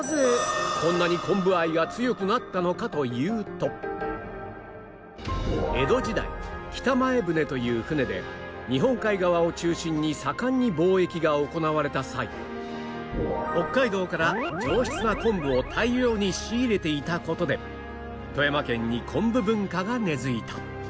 なのに江戸時代北前船という船で日本海側を中心に盛んに貿易が行われた際北海道から上質な昆布を大量に仕入れていた事で富山県に昆布文化が根付いた